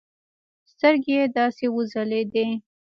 سترگې يې داسې وځلېدې.